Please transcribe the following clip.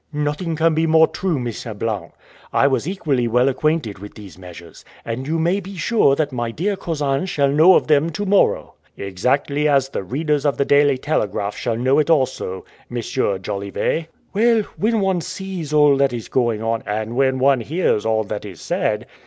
"Nothing can be more true, Mr. Blount; I was equally well acquainted with these measures, and you may be sure that my dear cousin shall know of them to morrow." "Exactly as the readers of the Daily Telegraph shall know it also, M. Jolivet." "Well, when one sees all that is going on...." "And when one hears all that is said...."